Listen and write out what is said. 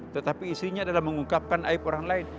tetapi isinya adalah mengungkapkan aib orang lain